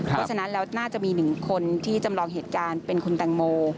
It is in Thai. เพราะฉะนั้นแล้วน่าจะมีหนึ่งคนที่จำลองเหตุการณ์เป็นคุณแตงโม